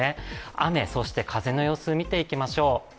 雨、そして風の様子見ていきましょう。